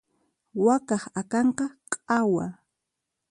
Wakaq akanqa q'awa.